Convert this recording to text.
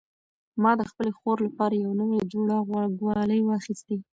ما د خپلې خور لپاره یو نوی جوړه غوږوالۍ واخیستې.